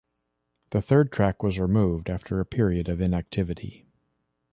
The third track was removed after a period of inactivity.